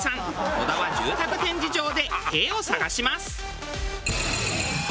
野田は住宅展示場で「へぇ」を探します。